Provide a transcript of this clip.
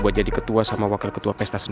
buat jadi ketua sama wakil ketua pesta